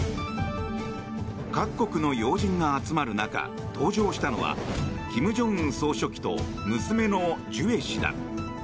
各国の要人が集まる中登場したのは金正恩総書記と娘のジュエ氏だ。